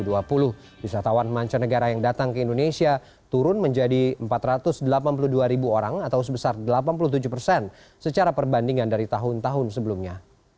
wisatawan mancanegara yang datang ke indonesia turun menjadi empat ratus delapan puluh dua ribu orang atau sebesar delapan puluh tujuh persen secara perbandingan dari tahun tahun sebelumnya